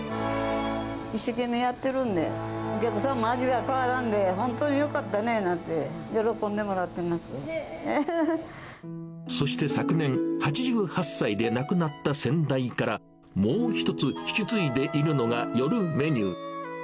一生懸命やってるんで、お客さんも味が変わらんで本当によかったねなんて、喜んでもらっそして昨年、８８歳で亡くなった先代から、もう一つ、引き継いでいるのが夜メニュー。